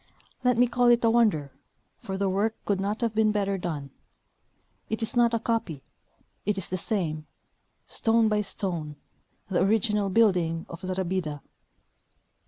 Let me call it a wonder, for the work could not have been better done. It is not a copy ; it is the same, stone by stone, the original building of La Rabida.